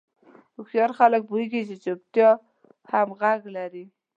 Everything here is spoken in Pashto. هوښیار خلک پوهېږي چې چوپتیا هم غږ لري.